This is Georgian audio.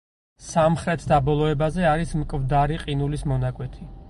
სამხრეთ დაბოლოებაზე არის მკვდარი ყინულის მონაკვეთი.